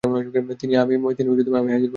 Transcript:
তিনি আমি হাযির বলেছেন।